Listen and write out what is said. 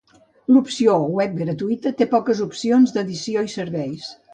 L'opció web gratuïta té poques opcions d'edició i serveis.